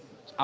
ini dia hera